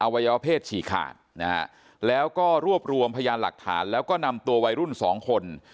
วัยวะเพศฉี่ขาดนะฮะแล้วก็รวบรวมพยานหลักฐานแล้วก็นำตัววัยรุ่นสองคน